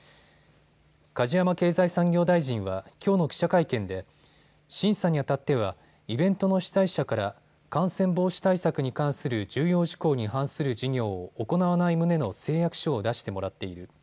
梶山経済産業大臣はきょうの記者会見で審査にあたってはイベントの主催者から感染防止対策に関する重要事項に反する事業を行わない旨の誓約書を出してもらっている。